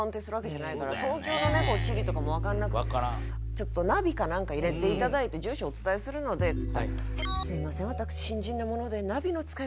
「ちょっとナビかなんか入れて頂いて住所お伝えするので」って言って。